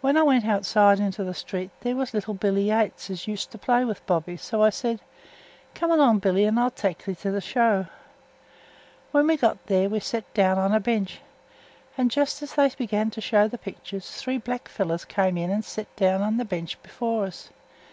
When I went outside into the street there was little Billy Yates, as used to play with Bobby, so I says, 'Come along, Billy, and I'll tek thee to the show.' When we got there we set down on a bench, and, just as they began to show th' pictures, three black fellows came in and set down on th' bench before us.